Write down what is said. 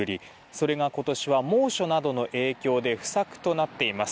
それが今年は猛暑などの影響で不作となっています。